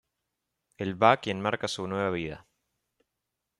El ba quien marca su nueva vida.